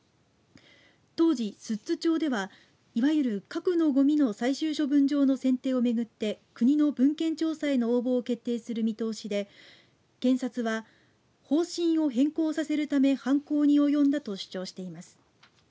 当時、寿都町ではいわゆる核のごみの最終処分場の選定をめぐって国の文献調査への応募を決定する見通しで検察は方針を変更させるため犯行に及んだと主張しています。